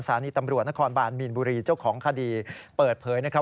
สถานีตำรวจนครบานมีนบุรีเจ้าของคดีเปิดเผยนะครับ